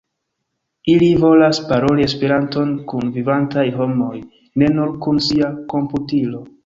Ili volas paroli Esperanton kun vivantaj homoj, ne nur kun sia komputilo.